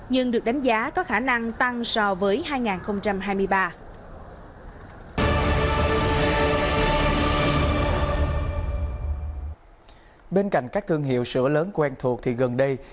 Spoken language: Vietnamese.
nhưng được đánh giá có khả năng tăng so với hai nghìn hai mươi ba